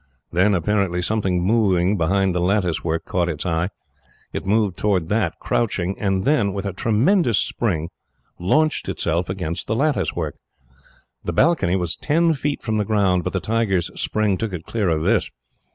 Then, apparently, something moving behind the lattice work caught its eye. It moved towards it, crouching, and then, with a tremendous spring, launched itself against it. The balcony was ten feet from the ground, but the tiger's spring took it clear of this.